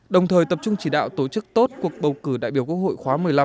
đồng thời tập trung chỉ đạo tổ chức tốt cuộc bầu cử đại biểu quốc hội khóa một mươi năm